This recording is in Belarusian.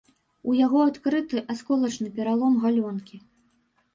У яго адкрыты асколачны пералом галёнкі.